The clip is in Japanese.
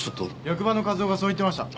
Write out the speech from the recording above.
役場の一夫がそう言ってました。